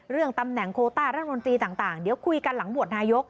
เรื่องตำแหน่งโคต้ารัฐหลังมนตรีต่างคุยกันหลังบวกนายก